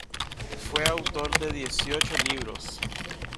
Fue autor de dieciocho libros.